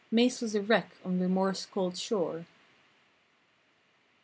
Mase was a wreck on Remorse's cold shore.